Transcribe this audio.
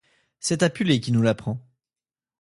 C’est Apulée qui nous l’apprend.